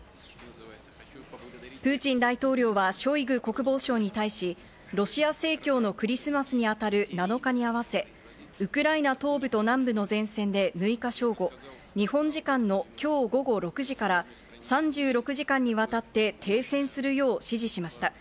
プーチン大統領は、ショイグ国防相に対し、ロシア正教のクリスマスにあたる７日に合わせ、ウクライナ東部と南部の前線で６日正午、日本時間の今日午後６時から３６時間にわたって停戦するよう指示しました。